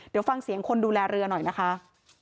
เดี๋ยวฟังเสียงคนดูแลเรือหน่อยนะคะ